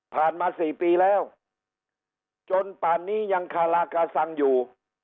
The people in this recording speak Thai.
มา๔ปีแล้วจนป่านนี้ยังคาราคาซังอยู่